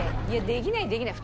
できないできない。